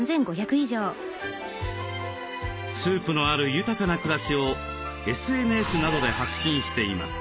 スープのある豊かな暮らしをＳＮＳなどで発信しています。